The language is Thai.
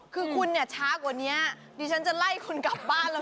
คือคุณเนี่ยช้ากว่านี้ดิฉันจะไล่คุณกลับบ้านแล้ว